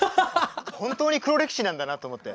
本当に黒歴史なんだなと思って。